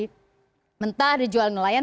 ataupun juga dalam posisi mentah dijual nelayan